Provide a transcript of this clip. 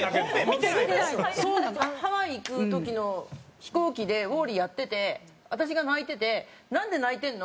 ハワイ行く時の飛行機で『ウォーリー』やってて私が泣いてて「なんで泣いてるの？」